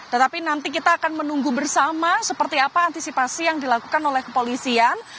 tetapi nanti kita akan menunggu bersama seperti apa antisipasi yang dilakukan oleh kepolisian